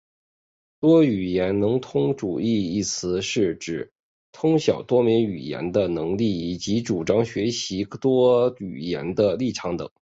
多语能通主义一词是指通晓多门语言的能力以及主张学习多门语言的立场等。